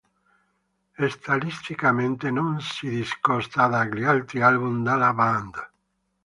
Stilisticamente non si discosta dagli altri album della band.